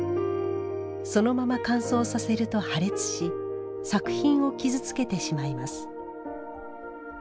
そのまま乾燥させると破裂し作品を傷つけてしまいます。